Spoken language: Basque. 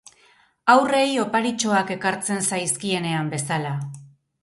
Haurrei oparitxoak ekartzen zaizkienean bezala.